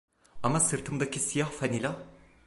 Ama sırtımdaki siyah fanila?